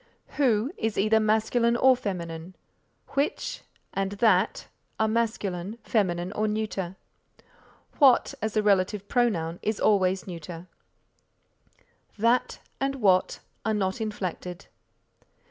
Who is either masculine or feminine; which and that are masculine, feminine or neuter; what as a relative pronoun is always neuter. That and what are not inflected.